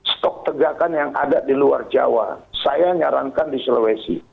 stok tegakan yang ada di luar jawa saya nyarankan di sulawesi